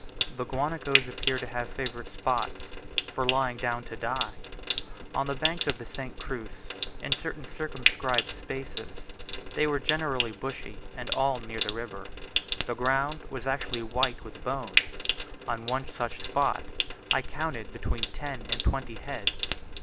The guanacos appear to have favourite spots for lying down to die. On the banks of the St. Cruz, in certain circumscribed spaces, which were generally bushy and all near the river, the ground was actually white with bones. On one such spot I counted between ten and twenty heads.